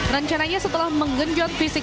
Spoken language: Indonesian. rencananya setelah menggenjot fisik